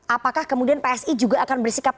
apakah kemudian psi juga akan bersikap